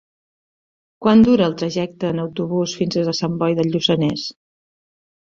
Quant dura el trajecte en autobús fins a Sant Boi de Lluçanès?